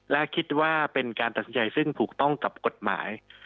และคิดว่าเป็นการตัดสินใจซึ่งถูกต้องกับกฎหมาย